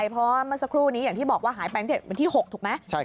แต่พอเมื่อสักครู่อย่างที่บอกว่าหายไปเสน่ห์ที่๖ถูกไหม